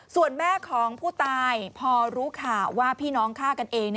ส่วนแม่ของผู้ตายพอรู้ข่าวว่าพี่น้องฆ่ากันเอง